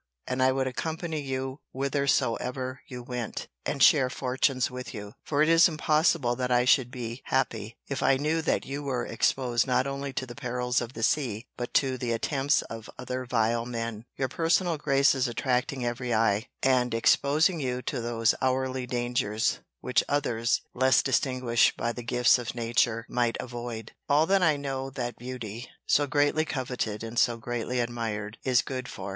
And I would accompany you whithersoever you went, and share fortunes with you: for it is impossible that I should be happy, if I knew that you were exposed not only to the perils of the sea, but to the attempts of other vile men; your personal graces attracting every eye; and exposing you to those hourly dangers, which others, less distinguished by the gifts of nature, might avoid.—All that I know that beauty (so greatly coveted, and so greatly admired) is good for.